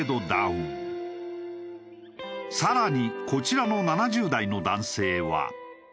更にこちらの７０代の男性は。